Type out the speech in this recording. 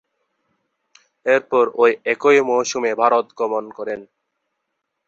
এরপর ঐ একই মৌসুমে ভারত গমন করেন।